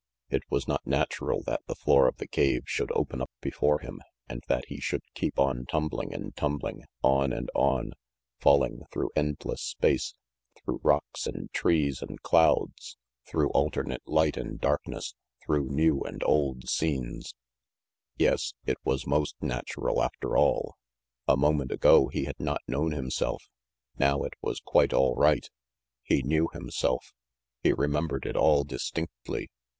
It was not natural that the floor of the cave should open up before him and that he should keep on tumbling and tumbling, on and on, falling through endless space, through rocks and trees and clouds, through alternate light and darkness, through new and old scenes yes, it was most natural after all. A moment ago he had not known himself. Now it was quite all right. He knew himself. He remem bered it all distinctly.